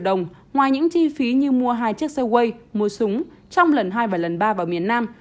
đồng ngoài những chi phí như mua hai chiếc xe way mua súng trong lần hai và lần ba vào miền nam